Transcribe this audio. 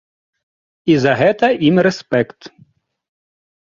І за гэта ім рэспект.